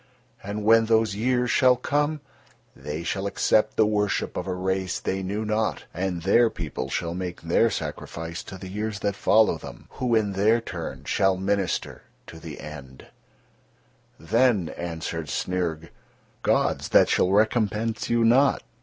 And when those years shall come, they shall accept the worship of a race they knew not, and their people shall make their sacrifice to the years that follow them, who, in their turn, shall minister to the End." Then answered Snyrg: "Gods that shall recompense you not.